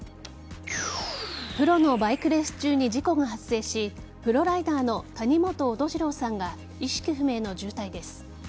プロのバイクレース中に事故が発生しプロライダーの谷本音虹郎さんが意識不明の重体です。